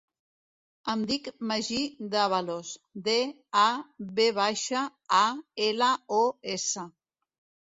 Em dic Magí Davalos: de, a, ve baixa, a, ela, o, essa.